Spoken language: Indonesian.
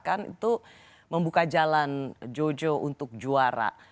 tapi dia juga bisa mengalahkan itu membuka jalan jojo untuk juara